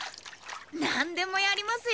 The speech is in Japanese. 何でもやりますよ！